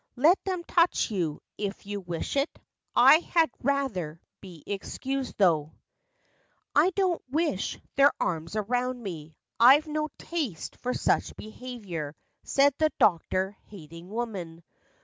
" Let them touch you, if you wish it; I had rather be excused, tho'. 8o FACTS AND FANCIES. I do n't wish their arms around me, I've no taste for such behavior," Said the doctor hating woman.